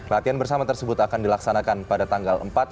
latihan bersama tersebut akan dilaksanakan pada tanggal empat